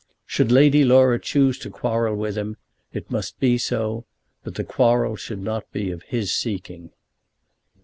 Should Lady Laura choose to quarrel with him it must be so; but the quarrel should not be of his seeking.